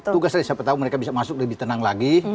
tugas dari siapa tahu mereka bisa masuk lebih tenang lagi